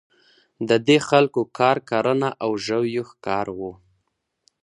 د دې خلکو کار کرنه او ژویو ښکار وو.